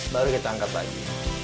baru kita angkat lagi